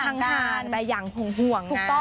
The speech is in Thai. อยู่ห่างห่างแต่อย่างห่วงไง